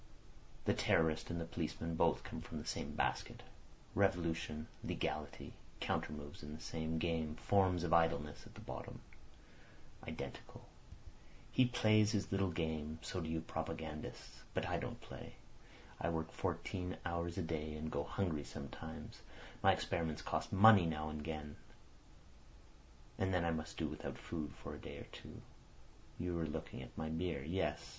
The terrorist and the policeman both come from the same basket. Revolution, legality—counter moves in the same game; forms of idleness at bottom identical. He plays his little game—so do you propagandists. But I don't play; I work fourteen hours a day, and go hungry sometimes. My experiments cost money now and again, and then I must do without food for a day or two. You're looking at my beer. Yes.